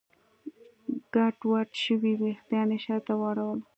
ګډوډ شوي وېښتان يې شاته واړول.